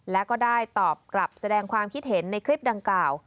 และก็ได้ตอบกลับแสดงความคิดเห็นในคลิปดังกล่าว